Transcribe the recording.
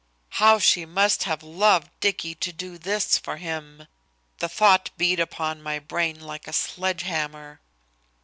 "How she must have loved Dicky to do this for him!" The thought beat upon my brain like a sledge hammer.